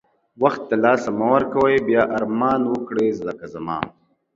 وخت د لاسه مه ورکوی بیا ارمان وکړی لکه زما